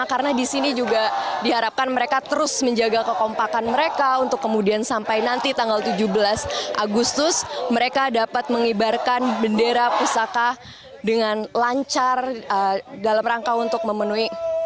karena di sini juga diharapkan mereka terus menjaga kekompakan mereka untuk kemudian sampai nanti tanggal tujuh belas agustus mereka dapat mengibarkan bendera pusaka dengan lancar dalam rangka untuk memenuhi